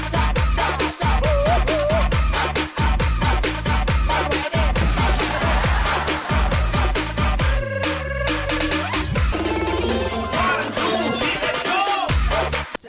สวัสดีครับ